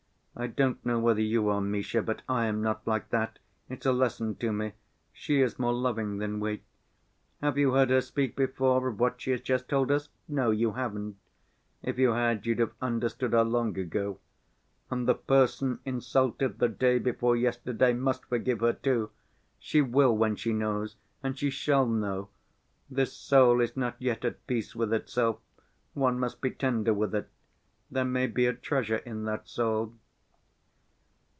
I don't know whether you are, Misha, but I am not like that. It's a lesson to me.... She is more loving than we.... Have you heard her speak before of what she has just told us? No, you haven't; if you had, you'd have understood her long ago ... and the person insulted the day before yesterday must forgive her, too! She will, when she knows ... and she shall know.... This soul is not yet at peace with itself, one must be tender with it ... there may be a treasure in that soul...."